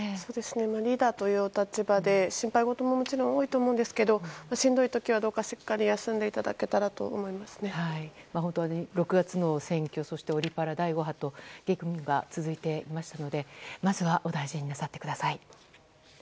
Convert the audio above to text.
リーダーというお立場で心配事ももちろん多いと思うんですがしんどい時はしっかり休んでいただけたらと本当に６月の選挙そしてオリパラ、第５波と激務が続いていましたのでまずはお大事になさってください。